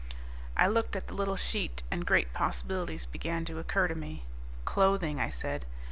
I looked at the little sheet and great possibilities began to occur to me. "Clothing," I said.